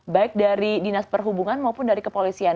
baik dari dinas perhubungan maupun dari kepolisian